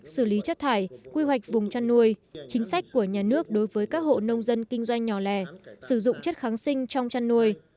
xử lý chất thải quy hoạch vùng chăn nuôi chính sách của nhà nước đối với các hộ nông dân kinh doanh nhỏ lẻ sử dụng chất kháng sinh trong chăn nuôi